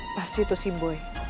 apa sih itu sih boy